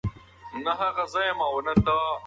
د هغې غومبوري د یخنۍ له امله بیخي سره شوي وو.